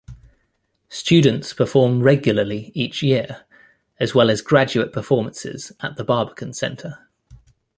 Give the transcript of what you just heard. Students perform regularly each year, as well as graduate performances at The Barbican Centre.